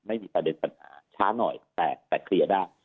ไม่มีสาเหตุปัญญาช้าหน่อยแต่เกลียวได้